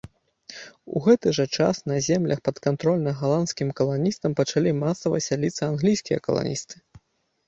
У гэты жа час на землях, падкантрольных галандскім каланістам пачалі масава сяліцца англійскія каланісты.